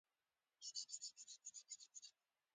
همکاري د باور او ګډ هدف اړتیا ده.